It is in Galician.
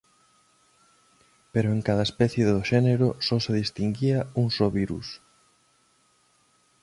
Pero en cada "especie" do xénero só se distinguía un só "virus".